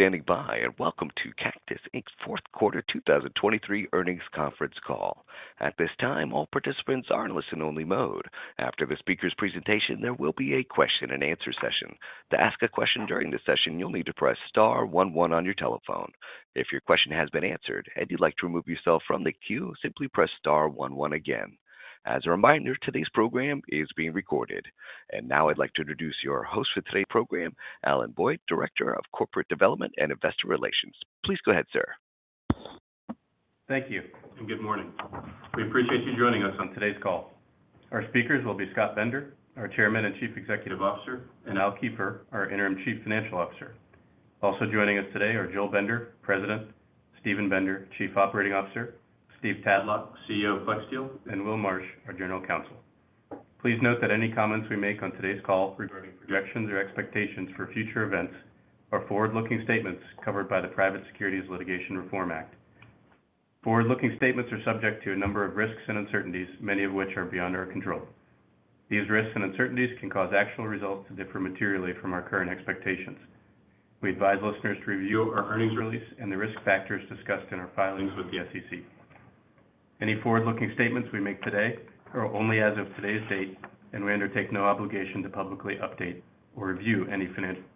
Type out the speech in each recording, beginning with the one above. Thank you for standing by, and welcome to Cactus Inc.'s fourth quarter, 2023 earnings conference call. At this time, all participants are in listen-only mode. After the speaker's presentation, there will be a question-and-answer session. To ask a question during this session, you'll need to press star one one on your telephone. If your question has been answered and you'd like to remove yourself from the queue, simply press star one one again. As a reminder, today's program is being recorded. Now I'd like to introduce your host for today's program, Alan Boyd, Director of Corporate Development and Investor Relations. Please go ahead, sir. Thank you, and good morning. We appreciate you joining us on today's call. Our speakers will be Scott Bender, our Chairman and Chief Executive Officer, and Al Kiefer, our Interim Chief Financial Officer. Also joining us today are Joel Bender, President, Steven Bender, Chief Operating Officer, Steve Tadlock, CEO of FlexSteel, and Will Marsh, our General Counsel. Please note that any comments we make on today's call regarding projections or expectations for future events are forward-looking statements covered by the Private Securities Litigation Reform Act. Forward-looking statements are subject to a number of risks and uncertainties, many of which are beyond our control. These risks and uncertainties can cause actual results to differ materially from our current expectations. We advise listeners to review our earnings release and the risk factors discussed in our filings with the SEC. Any forward-looking statements we make today are only as of today's date, and we undertake no obligation to publicly update or review any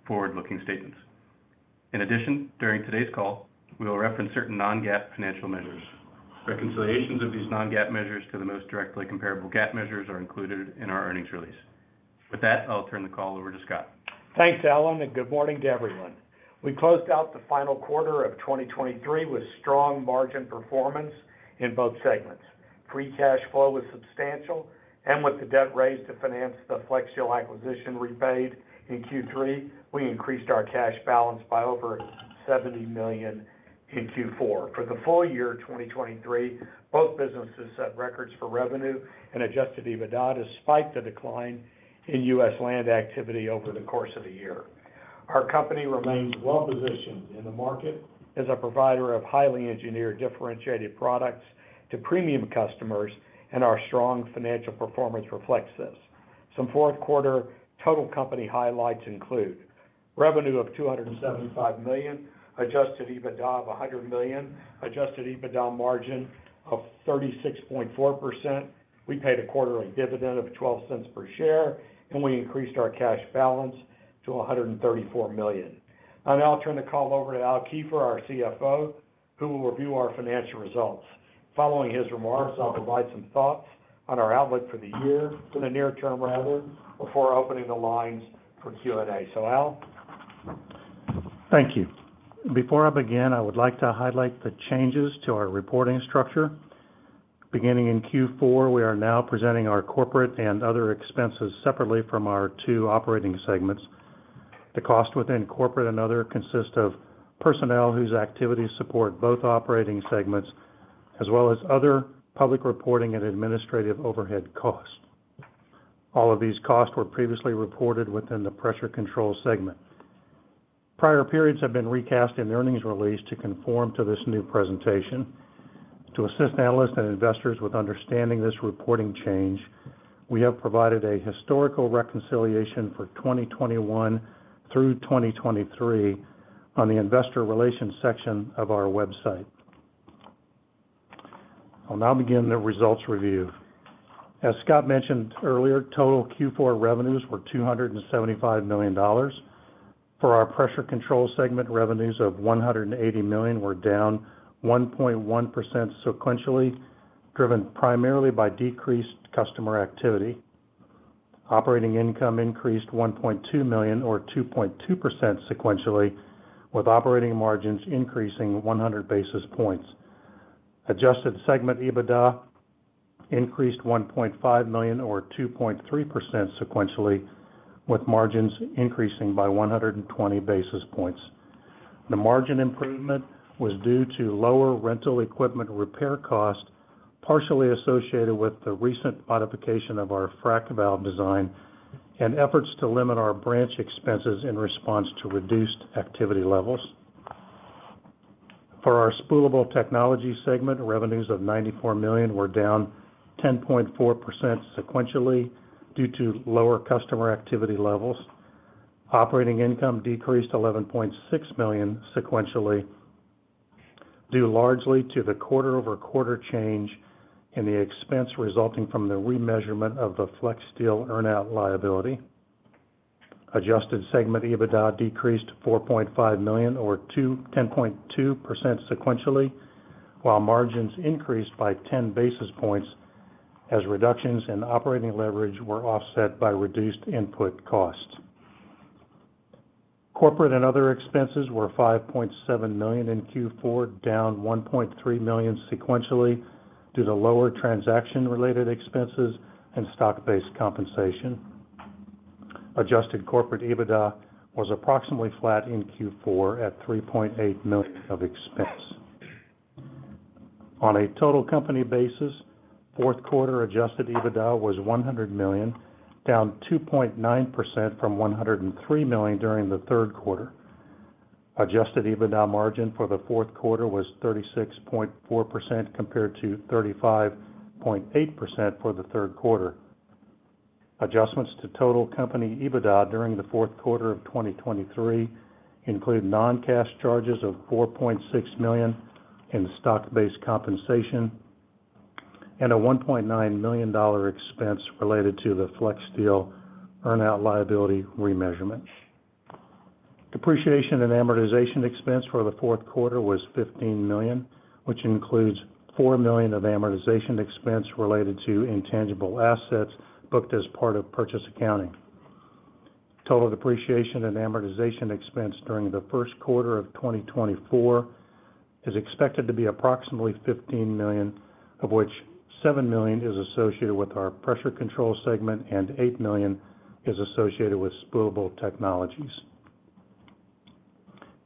forward-looking statements. In addition, during today's call, we will reference certain non-GAAP financial measures. Reconciliations of these non-GAAP measures to the most directly comparable GAAP measures are included in our earnings release. With that, I'll turn the call over to Scott. Thanks, Alan, and good morning to everyone. We closed out the final quarter of 2023 with strong margin performance in both segments. Free cash flow was substantial, and with the debt raised to finance the FlexSteel acquisition repaid in Q3, we increased our cash balance by over $70 million in Q4. For the full year of 2023, both businesses set records for revenue and adjusted EBITDA, despite the decline in U.S. land activity over the course of the year. Our company remains well-positioned in the market as a provider of highly engineered, differentiated products to premium customers, and our strong financial performance reflects this. Some fourth quarter total company highlights include: revenue of $275 million, adjusted EBITDA of $100 million, adjusted EBITDA margin of 36.4%. We paid a quarterly dividend of $0.12 per share, and we increased our cash balance to $134 million. I'll now turn the call over to Al Kiefer, our CFO, who will review our financial results. Following his remarks, I'll provide some thoughts on our outlook for the year, for the near term, rather, before opening the lines for Q&A. So Al? Thank you. Before I begin, I would like to highlight the changes to our reporting structure. Beginning in Q4, we are now presenting our corporate and other expenses separately from our two operating segments. The cost within corporate and other consist of personnel whose activities support both operating segments, as well as other public reporting and administrative overhead costs. All of these costs were previously reported within the Pressure Control segment. Prior periods have been recast in the earnings release to conform to this new presentation. To assist analysts and investors with understanding this reporting change, we have provided a historical reconciliation for 2021 through 2023 on the investor relations section of our website. I'll now begin the results review. As Scott mentioned earlier, total Q4 revenues were $275 million. For our Pressure Control segment, revenues of $100 million were down 1.1% sequentially, driven primarily by decreased customer activity. Operating income increased $1.2 million, or 2.2% sequentially, with operating margins increasing 100 basis points. Adjusted segment EBITDA increased $1.5 million, or 2.3% sequentially, with margins increasing by 120 basis points. The margin improvement was due to lower rental equipment repair costs, partially associated with the recent modification of our frac valve design and efforts to limit our branch expenses in response to reduced activity levels. For our Spoolable Technologies segment, revenues of $94 million were down 10.4% sequentially, due to lower customer activity levels. Operating income decreased $11.6 million sequentially, due largely to the quarter-over-quarter change in the expense resulting from the remeasurement of the FlexSteel earnout liability. Adjusted segment EBITDA decreased $4.5 million, or 10.2% sequentially, while margins increased by 10 basis points as reductions in operating leverage were offset by reduced input costs. Corporate and other expenses were $5.7 million in Q4, down $1.3 million sequentially due to lower transaction-related expenses and stock-based compensation. Adjusted corporate EBITDA was approximately flat in Q4 at $3.8 million of expense. On a total company basis, fourth quarter adjusted EBITDA was $100 million, down 2.9% from $103 million during the third quarter. Adjusted EBITDA margin for the fourth quarter was 36.4%, compared to 35.8% for the third quarter.... Adjustments to total company EBITDA during the fourth quarter of 2023 included non-cash charges of $4.6 million in stock-based compensation and a $1.9 million expense related to the FlexSteel earn-out liability remeasurement. Depreciation and amortization expense for the fourth quarter was $15 million, which includes $4 million of amortization expense related to intangible assets booked as part of purchase accounting. Total depreciation and amortization expense during the first quarter of 2024 is expected to be approximately $15 million, of which $7 million is associated with our Pressure Control segment and $8 million is associated with Spoolable Technologies.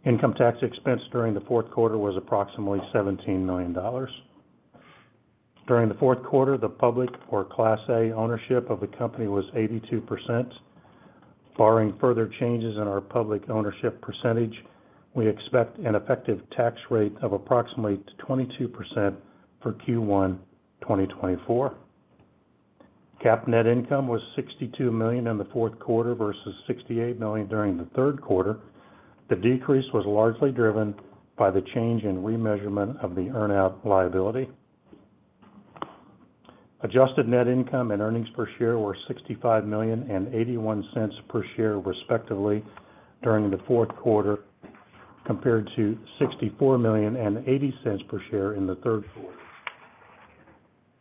Income tax expense during the fourth quarter was approximately $17 million. During the fourth quarter, the public, or Class A, ownership of the company was 82%. Barring further changes in our public ownership percentage, we expect an effective tax rate of approximately 22% for Q1 2024. Cactus net income was $62 million in the fourth quarter versus $68 million during the third quarter. The decrease was largely driven by the change in remeasurement of the earn-out liability. Adjusted net income and earnings per share were $65 million and $0.81 per share, respectively, during the fourth quarter, compared to $64 million and $0.80 per share in the third quarter.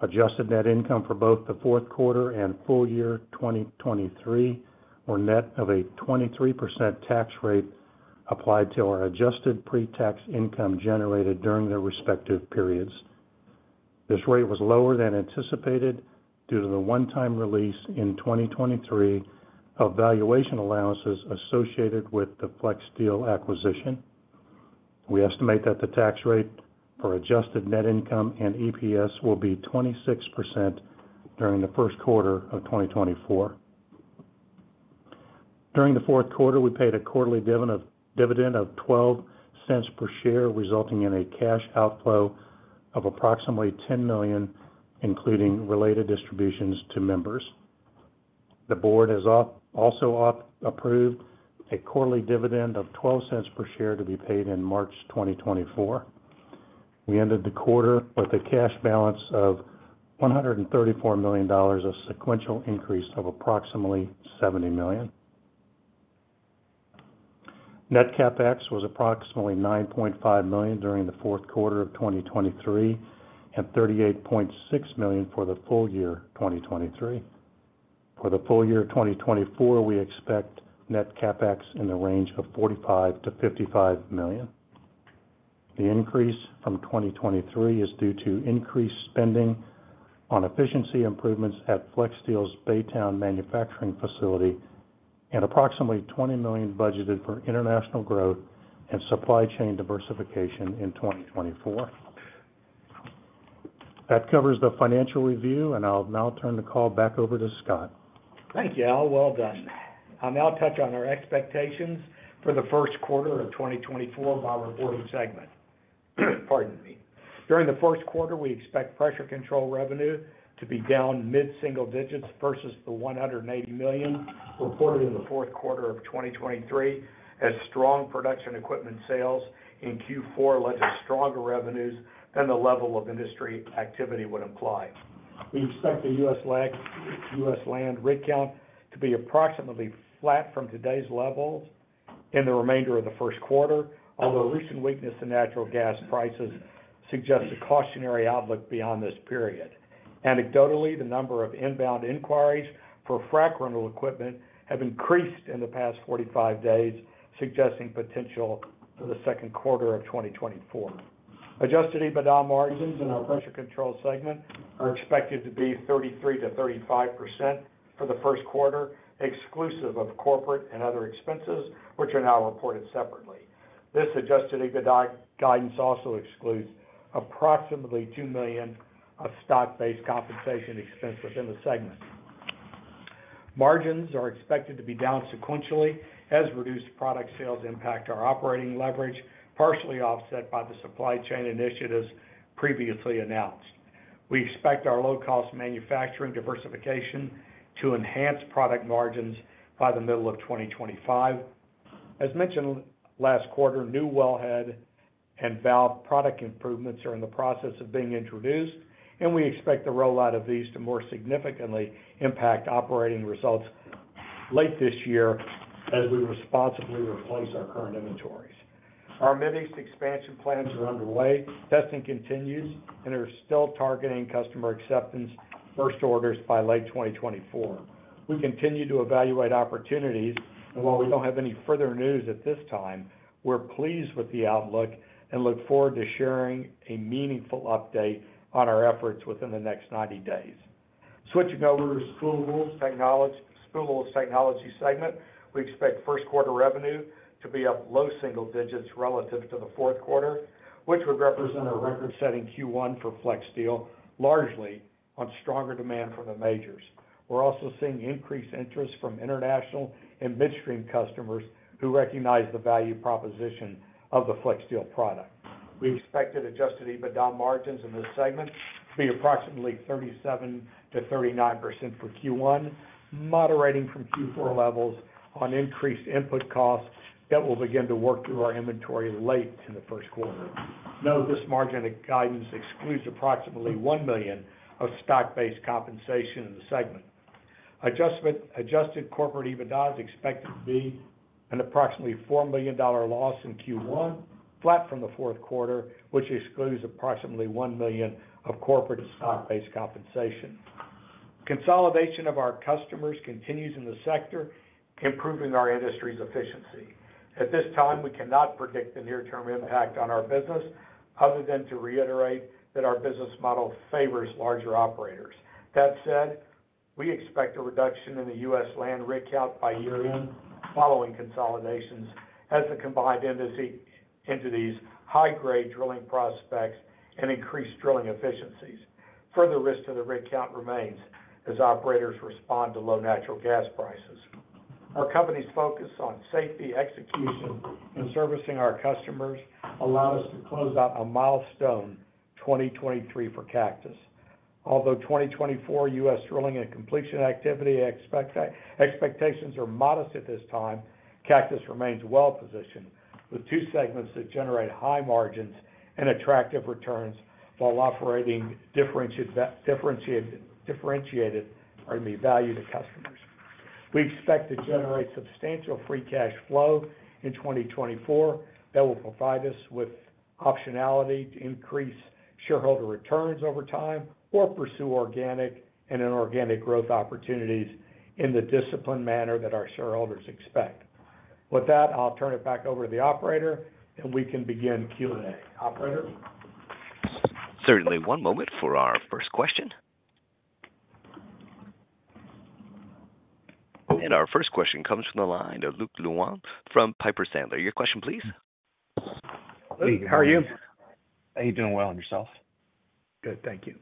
Adjusted net income for both the fourth quarter and full year 2023 were net of a 23% tax rate applied to our adjusted pre-tax income generated during their respective periods. This rate was lower than anticipated due to the one-time release in 2023 of valuation allowances associated with the FlexSteel acquisition. We estimate that the tax rate for adjusted net income and EPS will be 26% during the first quarter of 2024. During the fourth quarter, we paid a quarterly dividend of $0.12 per share, resulting in a cash outflow of approximately $10 million, including related distributions to members. The board has also approved a quarterly dividend of $0.12 per share to be paid in March 2024. We ended the quarter with a cash balance of $134 million, a sequential increase of approximately $70 million. Net CapEx was approximately $9.5 million during the fourth quarter of 2023, and $38.6 million for the full year 2023. For the full year of 2024, we expect net CapEx in the range of $45 million-$55 million. The increase from 2023 is due to increased spending on efficiency improvements at FlexSteel's Baytown manufacturing facility and approximately $20 million budgeted for international growth and supply chain diversification in 2024. That covers the financial review, and I'll now turn the call back over to Scott. Thank you, Al. Well done. I'll now touch on our expectations for the first quarter of 2024 by reporting segment. Pardon me. During the first quarter, we expect Pressure Control revenue to be down mid-single digits versus the $180 million reported in the fourth quarter of 2023, as strong production equipment sales in Q4 led to stronger revenues than the level of industry activity would imply. We expect the US land rig count to be approximately flat from today's levels in the remainder of the first quarter, although recent weakness in natural gas prices suggests a cautionary outlook beyond this period. Anecdotally, the number of inbound inquiries for frac rental equipment have increased in the past 45 days, suggesting potential for the second quarter of 2024. Adjusted EBITDA margins in our Pressure Control segment are expected to be 33%-35% for the first quarter, exclusive of corporate and other expenses, which are now reported separately. This adjusted EBITDA guidance also excludes approximately $2 million of stock-based compensation expense within the segment. Margins are expected to be down sequentially as reduced product sales impact our operating leverage, partially offset by the supply chain initiatives previously announced. We expect our low-cost manufacturing diversification to enhance product margins by the middle of 2025. As mentioned last quarter, new wellhead and valve product improvements are in the process of being introduced, and we expect the rollout of these to more significantly impact operating results late this year as we responsibly replace our current inventories. Our Middle East expansion plans are underway. Testing continues, and are still targeting customer acceptance first orders by late 2024. We continue to evaluate opportunities, and while we don't have any further news at this time, we're pleased with the outlook and look forward to sharing a meaningful update on our efforts within the next 90 days. Switching over to Spoolable Technologies segment, we expect first quarter revenue to be up low single digits relative to the fourth quarter, which would represent a record-setting Q1 for FlexSteel, largely on stronger demand from the majors. We're also seeing increased interest from international and midstream customers who recognize the value proposition of the FlexSteel product. We expect that Adjusted EBITDA margins in this segment to be approximately 37%-39% for Q1, moderating from Q4 levels on increased input costs that will begin to work through our inventory late in the first quarter. Note, this margin guidance excludes approximately $1 million of stock-based compensation in the segment. Adjusted corporate EBITDA is expected to be approximately $4 million loss in Q1, flat from the fourth quarter, which excludes approximately $1 million of corporate stock-based compensation. Consolidation of our customers continues in the sector, improving our industry's efficiency. At this time, we cannot predict the near-term impact on our business, other than to reiterate that our business model favors larger operators. That said, we expect a reduction in the U.S. land rig count by year-end, following consolidations as the combined entities high-grade drilling prospects and increase drilling efficiencies. Further risk to the rig count remains as operators respond to low natural gas prices. Our company's focus on safety, execution, and servicing our customers allowed us to close out a milestone 2023 for Cactus. Although 2024 U.S. drilling and completion activity expectations are modest at this time, Cactus remains well-positioned, with two segments that generate high margins and attractive returns while operating differentiated value to customers. We expect to generate substantial free cash flow in 2024 that will provide us with optionality to increase shareholder returns over time or pursue organic and inorganic growth opportunities in the disciplined manner that our shareholders expect. With that, I'll turn it back over to the operator, and we can begin Q&A. Operator? Certainly. One moment for our first question. Our first question comes from the line of Luke Lemoine from Piper Sandler. Your question, please. Luke, how are you? How are you doing? Well, and yourself? Good. Thank you.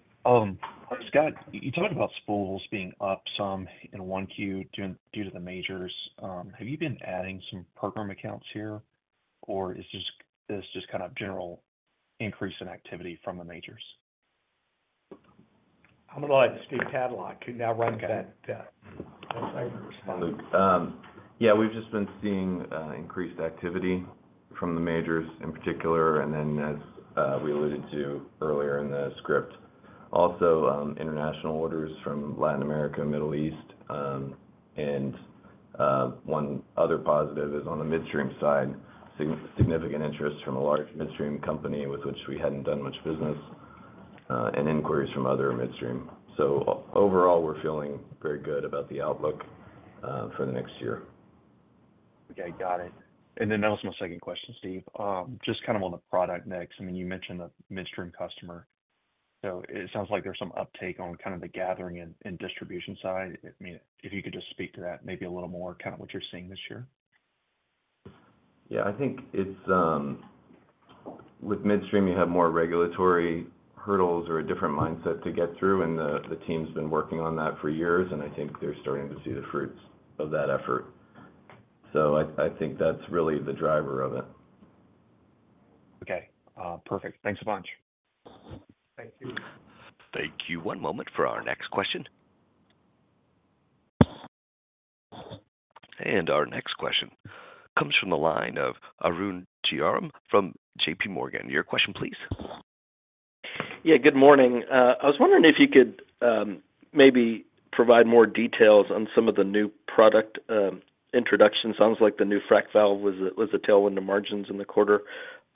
Scott, you talked about spools being up some in 1Q, due to the majors. Have you been adding some program accounts here, or is this just kind of general increase in activity from the majors? I'm gonna go ahead to Steve Tadlock, who now runs that segment. Yeah, we've just been seeing increased activity from the majors in particular, and then as we alluded to earlier in the script, also international orders from Latin America, Middle East. And one other positive is on the midstream side, significant interest from a large midstream company with which we hadn't done much business, and inquiries from other midstream. So overall, we're feeling very good about the outlook for the next year. Okay, got it. And then that was my second question, Steve. Just kind of on the product mix, I mean, you mentioned the midstream customer. So it sounds like there's some uptake on kind of the gathering and distribution side. I mean, if you could just speak to that maybe a little more, kind of what you're seeing this year. Yeah, I think it's with midstream, you have more regulatory hurdles or a different mindset to get through, and the team's been working on that for years, and I think they're starting to see the fruits of that effort. So I think that's really the driver of it. Okay, perfect. Thanks a bunch. Thank you. Thank you. One moment for our next question. And our next question comes from the line of Arun Jayaram from JP Morgan. Your question, please. Yeah, good morning. I was wondering if you could maybe provide more details on some of the new product introductions. Sounds like the new frac valve was a tailwind to margins in the quarter.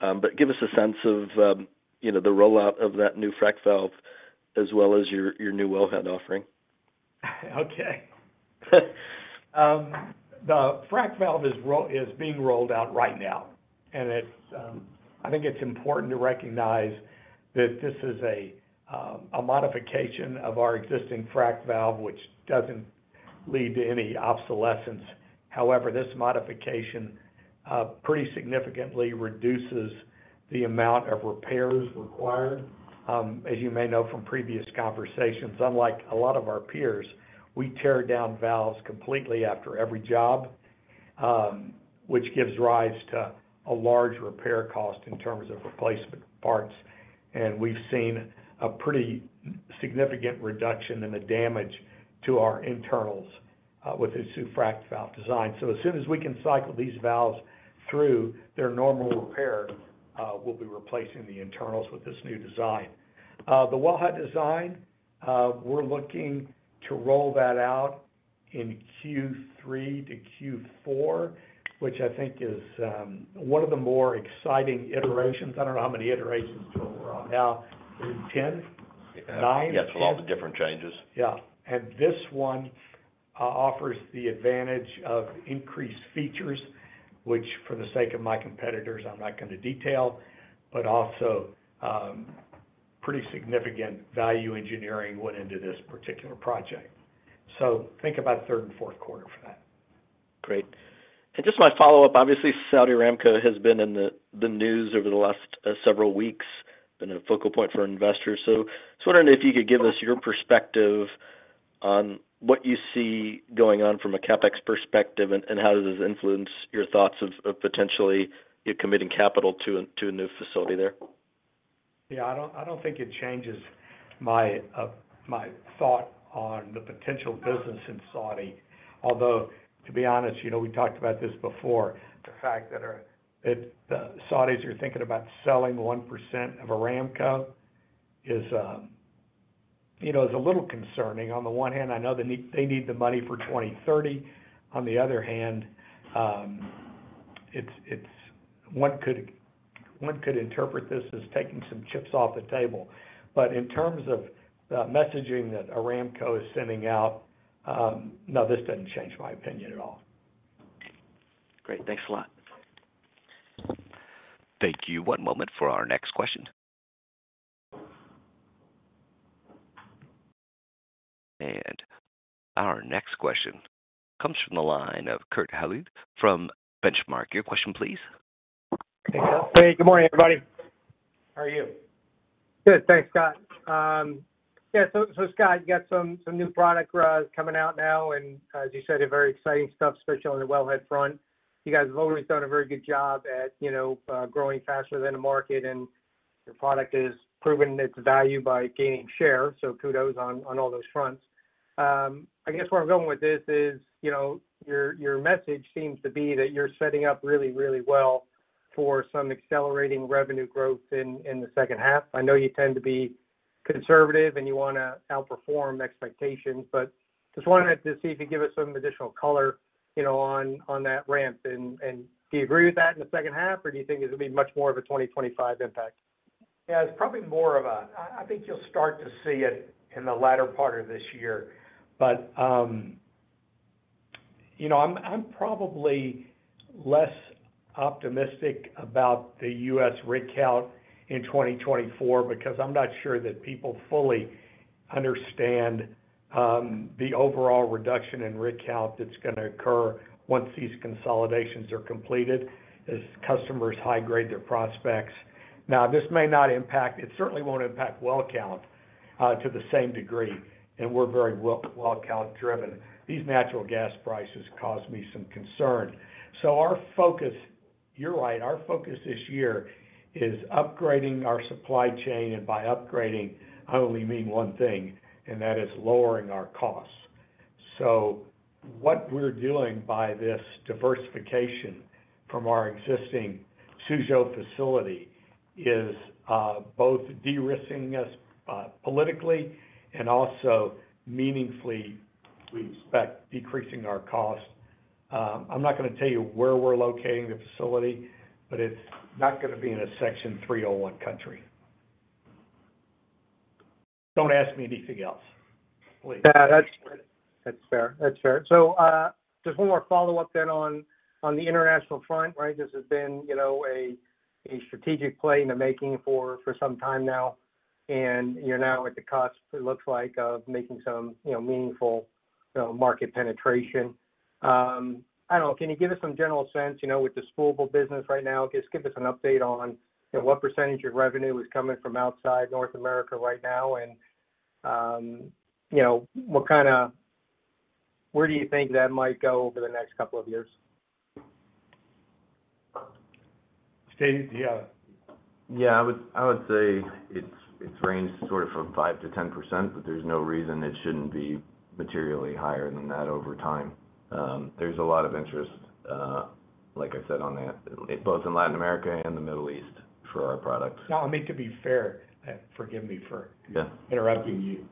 But give us a sense of, you know, the rollout of that new frac valve, as well as your new wellhead offering. Okay. The frac valve is being rolled out right now, and it's. I think it's important to recognize that this is a modification of our existing frac valve, which doesn't lead to any obsolescence. However, this modification pretty significantly reduces the amount of repairs required. As you may know from previous conversations, unlike a lot of our peers, we tear down valves completely after every job, which gives rise to a large repair cost in terms of replacement parts. And we've seen a pretty significant reduction in the damage to our internals with this new frac valve design. So as soon as we can cycle these valves through their normal repair, we'll be replacing the internals with this new design. The wellhead design, we're looking to roll that out in Q3 to Q4, which I think is one of the more exciting iterations. I don't know how many iterations we're on now. Is it 10? 9? Yes, a lot of different changes. Yeah. And this one offers the advantage of increased features, which for the sake of my competitors, I'm not gonna detail, but also, pretty significant value engineering went into this particular project. So think about third and fourth quarter for that. Great. And just my follow-up, obviously, Saudi Aramco has been in the news over the last several weeks.... been a focal point for investors. Just wondering if you could give us your perspective on what you see going on from a CapEx perspective, and how does this influence your thoughts of potentially you committing capital to a new facility there? Yeah, I don't think it changes my thought on the potential business in Saudi. Although, to be honest, you know, we talked about this before, the fact that the Saudis are thinking about selling 1% of Aramco is, you know, a little concerning. On the one hand, I know they need the money for 2030. On the other hand, one could interpret this as taking some chips off the table. But in terms of the messaging that Aramco is sending out, no, this doesn't change my opinion at all. Great. Thanks a lot. Thank you. One moment for our next question. And our next question comes from the line of Kurt Hallead from Benchmark. Your question, please. Hey, good morning, everybody. How are you? Good. Thanks, Scott. Yeah, so, Scott, you got some new product coming out now, and as you said, a very exciting stuff, especially on the wellhead front. You guys have always done a very good job at, you know, growing faster than the market, and your product has proven its value by gaining share. So kudos on all those fronts. I guess where I'm going with this is, you know, your message seems to be that you're setting up really, really well for some accelerating revenue growth in the second half. I know you tend to be conservative and you wanna outperform expectations, but just wanted to see if you could give us some additional color, you know, on that ramp. Do you agree with that in the second half, or do you think it'll be much more of a 2025 impact? Yeah, it's probably more of a... I think you'll start to see it in the latter part of this year. But, you know, I'm probably less optimistic about the U.S. rig count in 2024, because I'm not sure that people fully understand the overall reduction in rig count that's gonna occur once these consolidations are completed, as customers high grade their prospects. Now, this may not impact, it certainly won't impact well count to the same degree, and we're very well count driven. These natural gas prices cause me some concern. So our focus, you're right, our focus this year is upgrading our supply chain, and by upgrading, I only mean one thing, and that is lowering our costs. So what we're doing by this diversification from our existing Suzhou facility is, both de-risking us, politically and also meaningfully, we expect, decreasing our cost. I'm not gonna tell you where we're locating the facility, but it's not gonna be in a Section 301 country. Don't ask me anything else, please. Yeah, that's, that's fair. That's fair. So, just one more follow-up then on, on the international front, right? This has been, you know, a, a strategic play in the making for, for some time now, and you're now at the cusp, it looks like, of making some, you know, meaningful, you know, market penetration. I don't know, can you give us some general sense, you know, with the spoolable business right now? Just give us an update on, you know, what percentage of revenue is coming from outside North America right now, and, you know, what kind of—where do you think that might go over the next couple of years? Steve, do you have...? Yeah, I would say it's ranged sort of from 5%-10%, but there's no reason it shouldn't be materially higher than that over time. There's a lot of interest, like I said, on that, both in Latin America and the Middle East for our products. No, I mean, to be fair, and forgive me for- Yeah... interrupting you.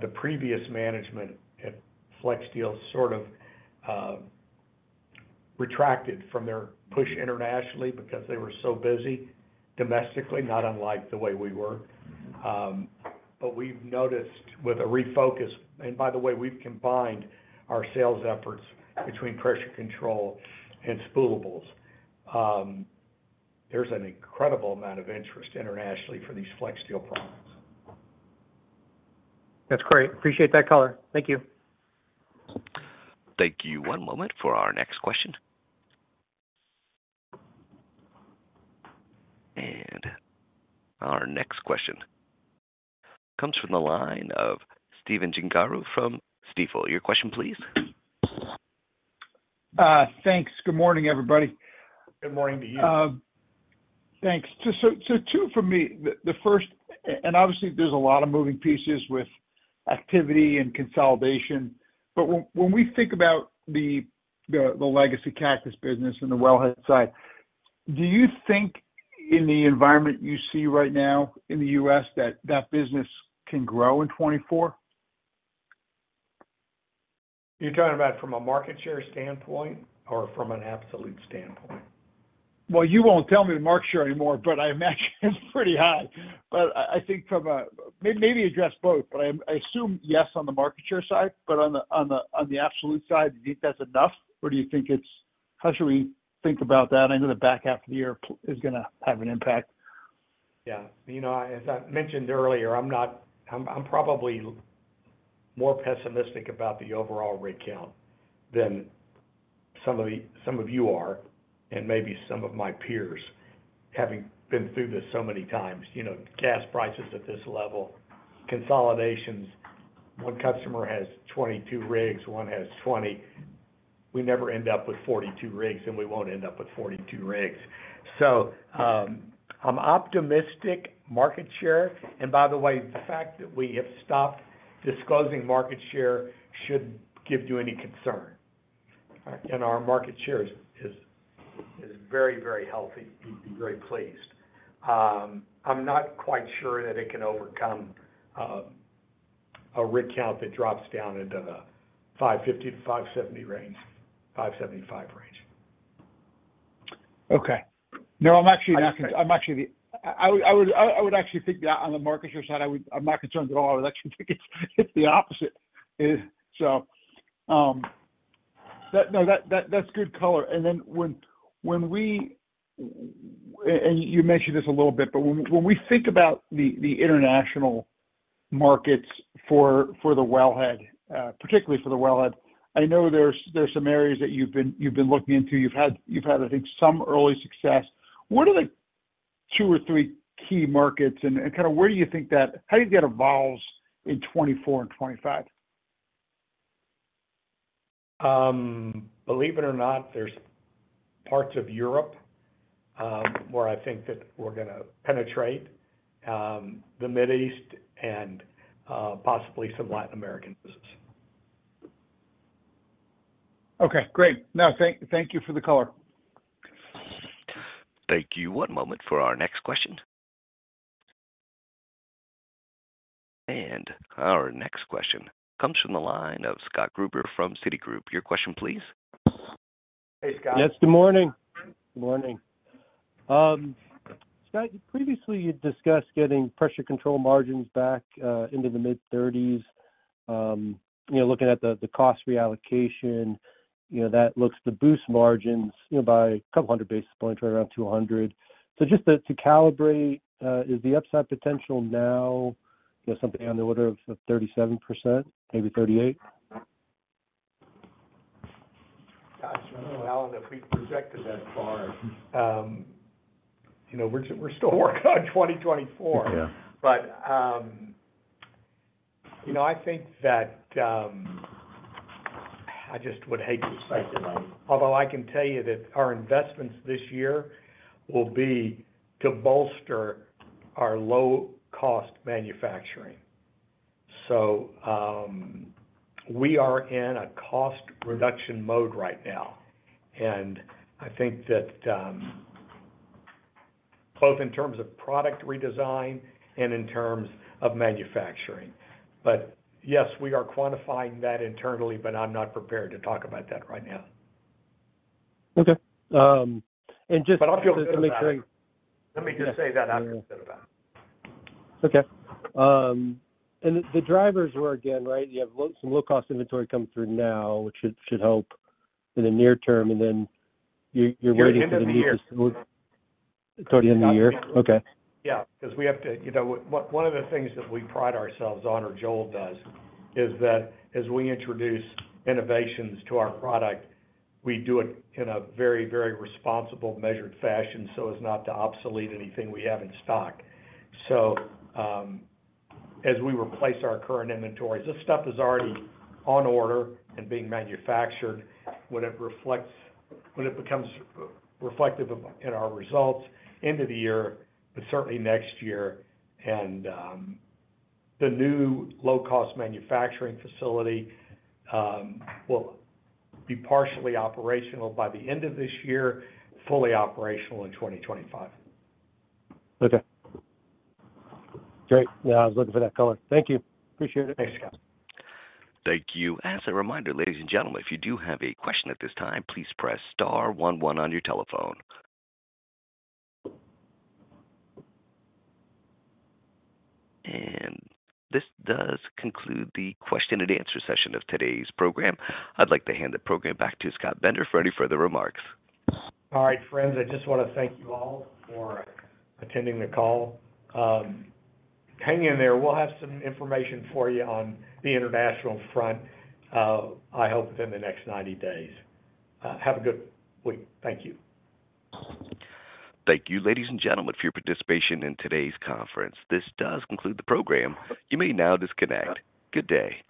The previous management at FlexSteel sort of retracted from their push internationally because they were so busy domestically, not unlike the way we were. Mm-hmm. But we've noticed with a refocus, and by the way, we've combined our sales efforts between pressure control and spoolables. There's an incredible amount of interest internationally for these FlexSteel products. That's great. Appreciate that color. Thank you. Thank you. One moment for our next question. And our next question comes from the line of Stephen Gengaro from Stifel. Your question, please. Thanks. Good morning, everybody. Good morning to you. Thanks. So two for me. The first, and obviously, there's a lot of moving pieces with activity and consolidation, but when we think about the legacy Cactus business and the wellhead side, do you think in the environment you see right now in the US, that that business can grow in 2024? You're talking about from a market share standpoint or from an absolute standpoint? Well, you won't tell me the market share anymore, but I imagine it's pretty high. But I think from a... Maybe address both, but I'm, I assume, yes, on the market share side, but on the absolute side, do you think that's enough, or do you think it's... How should we think about that? I know the back half of the year is gonna have an impact. Yeah. You know, as I mentioned earlier, I'm probably more pessimistic about the overall rig count than some of you are, and maybe some of my peers, having been through this so many times. You know, gas prices at this level, consolidations. One customer has 22 rigs, one has 20. We never end up with 42 rigs, and we won't end up with 42 rigs. So, I'm optimistic market share. And by the way, the fact that we have stopped disclosing market share shouldn't give you any concern. All right? And our market share is very, very healthy, you'd be very pleased. I'm not quite sure that it can overcome a rig count that drops down into the 550-570 range, 575 range. Okay. No, I'm actually. I would actually think that on the market share side, I'm not concerned at all. I would actually think it's the opposite. So, that. No, that's good color. And then when we—and you mentioned this a little bit, but when we think about the international markets for the wellhead, particularly for the wellhead, I know there's some areas that you've been looking into. You've had, I think, some early success. What are the two or three key markets, and kind of how do you think that evolves in 2024 and 2025? Believe it or not, there's parts of Europe, where I think that we're gonna penetrate, the Middle East and, possibly some Latin American business. Okay, great. No, thank you for the color. Thank you. One moment for our next question. Our next question comes from the line of Scott Gruber from Citigroup. Your question, please. Hey, Scott. Yes, good morning. Good morning. Scott, previously, you discussed getting Pressure Control margins back into the mid-30s. You know, looking at the cost reallocation, you know, that looks to boost margins, you know, by a couple hundred basis points, right around 200. So just to calibrate, is the upside potential now, you know, something on the order of 37%, maybe 38%? Got you. Well, Alan, if we projected that far, you know, we're still working on 2024. Yeah. But, you know, I think that, I just would hate to say, although I can tell you that our investments this year will be to bolster our low-cost manufacturing. So, we are in a cost reduction mode right now, and I think that, both in terms of product redesign and in terms of manufacturing. But yes, we are quantifying that internally, but I'm not prepared to talk about that right now. Okay, and just- But I feel good about it. Let me just- Let me just say that I feel good about it. Okay. And the drivers were, again, right, you have some low-cost inventory coming through now, which should help in the near term, and then you're waiting for the- End of the year. Toward the end of the year? Okay. Yeah, 'cause we have to... You know, one of the things that we pride ourselves on, or Joel does, is that as we introduce innovations to our product, we do it in a very, very responsible, measured fashion so as not to obsolete anything we have in stock. So, as we replace our current inventories, this stuff is already on order and being manufactured. When it reflects, when it becomes reflective of in our results into the year, but certainly next year, and the new low-cost manufacturing facility will be partially operational by the end of this year, fully operational in 2025. Okay. Great. Yeah, I was looking for that color. Thank you. Appreciate it. Thanks, Scott. Thank you. As a reminder, ladies and gentlemen, if you do have a question at this time, please press star one one on your telephone. This does conclude the question and answer session of today's program. I'd like to hand the program back to Scott Bender for any further remarks. All right, friends, I just want to thank you all for attending the call. Hang in there. We'll have some information for you on the international front, I hope within the next 90 days. Have a good week. Thank you. Thank you, ladies and gentlemen, for your participation in today's conference. This does conclude the program. You may now disconnect. Good day!